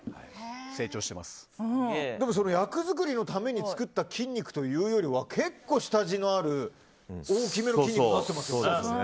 役作りのために作った筋肉というよりは結構、下地のある大きめの筋肉になってますよね。